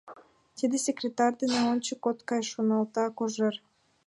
«Тиде секретарь дене ончык от кай, — шоналта Кожер.